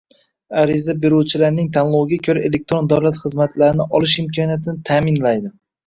ariza beruvchilarning tanloviga ko‘ra elektron davlat xizmatlarini olish imkoniyatini ta’minlaydi;